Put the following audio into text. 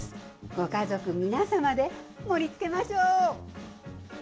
ご家族皆様で盛りつけましょう。